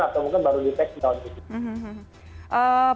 atau mungkin baru di take down gitu